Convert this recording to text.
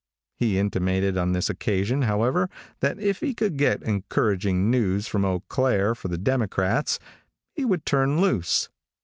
He intimated on this occasion, however, that if he could get encouraging news from Eau Claire for the Democrats, he would turn loose.